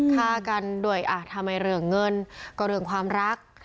ฆ่ากันโดยเรื่องเงินก็เรื่องความรัก